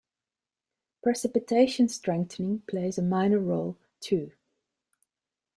Precipitation strengthening plays a minor role, too.